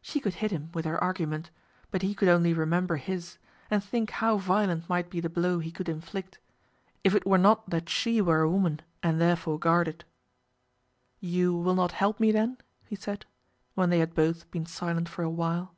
She could hit him with her argument; but he could only remember his, and think how violent might be the blow he could inflict, if it were not that she were a woman, and therefore guarded. "You will not help me then?" he said, when they had both been silent for a while.